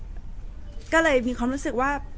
แต่ว่าสามีด้วยคือเราอยู่บ้านเดิมแต่ว่าสามีด้วยคือเราอยู่บ้านเดิม